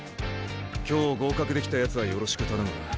今日合格できたやつはよろしく頼む。